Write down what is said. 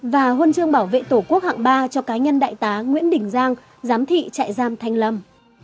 và huân chương bảo vệ tổ quốc hạng ba cho cá nhân đại tá nguyễn đình giang giám thị trại giam thanh lâm